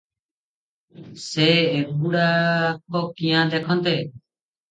ସେ ଏଗୁଡ଼ାକ କିଆଁ ଦେଖନ୍ତେ?